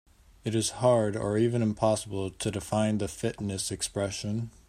It is hard or even impossible to define the fitness expression.